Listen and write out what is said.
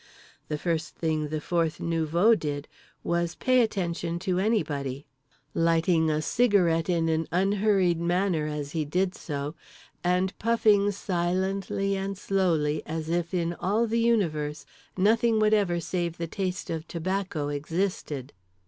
The first thing the fourth nouveau did was pay no attention to anybody; lighting a cigarette in an unhurried manner as he did so, and puffing silently and slowly as if in all the universe nothing whatever save the taste of tobacco existed.